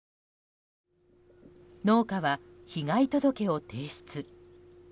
農家は、被害届を提出。